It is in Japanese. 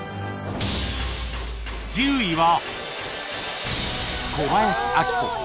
１０位は